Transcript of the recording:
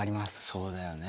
そうだよね。